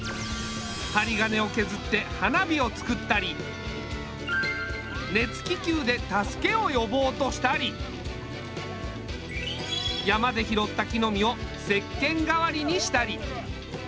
はりがねをけずって花火を作ったり熱気球で助けをよぼうとしたり山で拾った木の実をせっけんがわりにしたり。